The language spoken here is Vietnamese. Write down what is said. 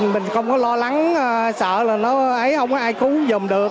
mình không có lo lắng sợ là nó ấy không có ai cứu giùm được